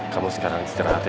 kamu sekarang istirahat ya